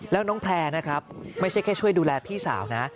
แล้วน้องแพร่นะครับไม่ใช่แค่ช่วยดูแลพี่สาวนะ